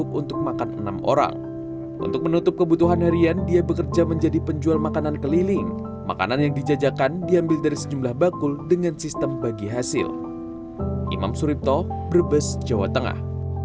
potrat kemiskinan di brebes jowa tengah